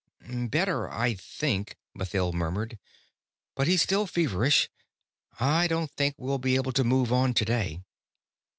"Better, I think," Mathild murmured. "But he's still feverish. I don't think we'll be able to move on today."